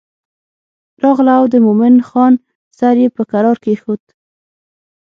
راغله او د مومن خان سر یې په کرار کېښود.